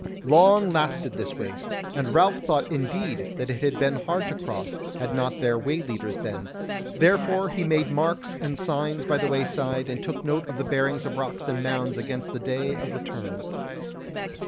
Long lasted this waste, and Ralph thought indeed that it had been hard to cross, had not their way leaders been; therefore he made marks and signs by the wayside, and took note of the bearings of rocks and mounds against the day of return.